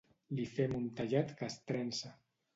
Li fem un tallat castrense.